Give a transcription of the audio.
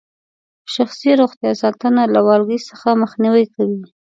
شخصي روغتیا ساتنه له والګي څخه مخنیوي کوي.